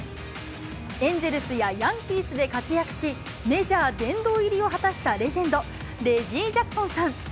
エンゼルスやヤンキースで活躍し、メジャー殿堂入りを果たしたレジェンド、レジー・ジャクソンさん。